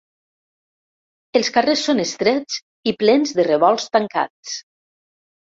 Els carrers són estrets i plens de revolts tancats.